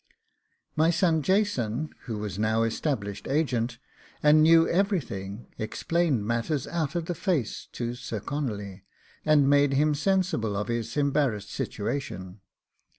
My son Jason, who was now established agent, and knew everything, explained matters out of the face to Sir Conolly, and made him sensible of his embarrassed situation.